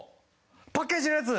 パッケージのやつ。